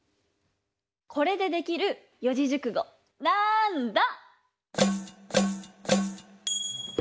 これでできる四字熟語なんだ？